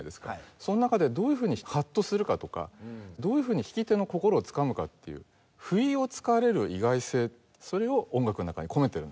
その中でどういうふうにハッとするかとかどういうふうに聴き手の心をつかむかっていう不意を突かれる意外性それを音楽の中に込めてるんだと。